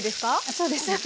そうです。